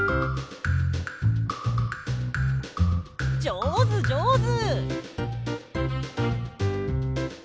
じょうずじょうず！